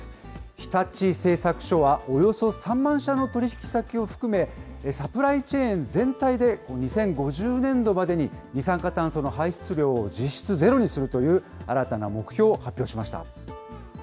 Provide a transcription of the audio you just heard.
日立製作所は、およそ３万社の取り引き先を含め、サプライチェーン全体で、２０５０年度までに二酸化炭素の排出量を実質ゼロにするという新たな目標を発表しました。